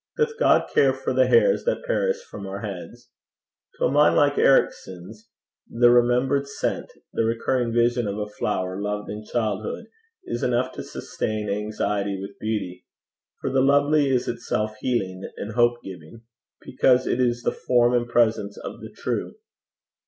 Doth God care for the hairs that perish from our heads? To a mind like Ericson's the remembered scent, the recurring vision of a flower loved in childhood, is enough to sustain anxiety with beauty, for the lovely is itself healing and hope giving, because it is the form and presence of the true.